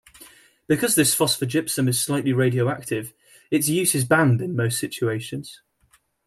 Because this phosphogypsum is slightly radioactive, its use is banned in most situations.